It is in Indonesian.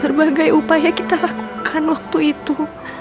berbagai upaya kita lakukan waktu itu